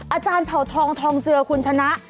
อาจารย์เผาทองทองเจือคุณชนะ